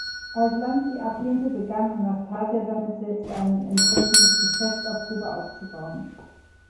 Als Lansky ablehnte, begann Anastasia damit, selbst ein entsprechendes Geschäft auf Kuba aufzubauen.